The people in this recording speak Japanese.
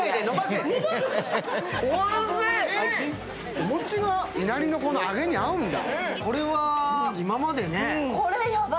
お餅がいなりの方の揚げに合うんだ。